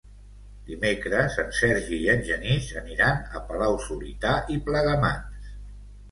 Dimecres en Sergi i en Genís aniran a Palau-solità i Plegamans.